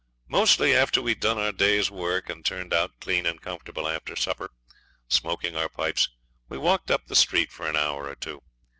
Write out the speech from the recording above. Mostly after we'd done our day's work and turned out clean and comfortable after supper, smoking our pipes, we walked up the street for an hour or two.